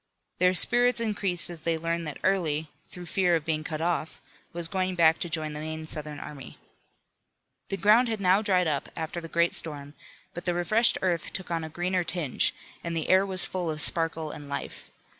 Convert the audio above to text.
Their spirits increased as they learned that Early, through fear of being cut off, was going back to join the main Southern army. The ground had now dried up after the great storm, but the refreshed earth took on a greener tinge, and the air was full of sparkle and life.